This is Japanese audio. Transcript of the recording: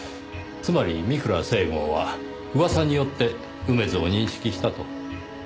つまり美倉成豪はうわさによって梅津を認識したと？